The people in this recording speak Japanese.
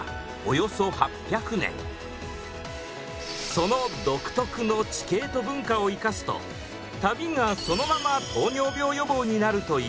その独特の地形と文化を生かすと旅がそのまま糖尿病予防になるといいます。